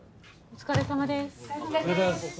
・お疲れさまです。